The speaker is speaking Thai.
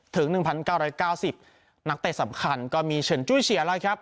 ถึงหนึ่งพันเก้าร้อยเก้าสิบนักเตะสำคัญก็มีเฉินจุ้ยเฉียแล้วครับ